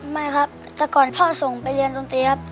ไม่ครับแต่ก่อนพ่อส่งไปเรียนดนตรีครับ